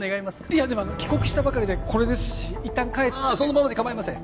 いやでも帰国したばかりでこれですし一旦帰ってああそのままでかまいません